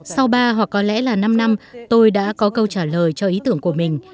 sau ba hoặc có lẽ là năm năm tôi đã có câu trả lời cho ý tưởng của mình